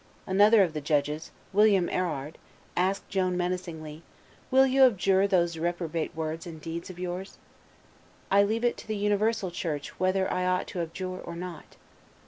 Another of the judges, William Erard, asked Joan menacingly, "Will you abjure those reprobate words and deeds of yours?" "I leave it to the universal Church whether I ought to abjure or not."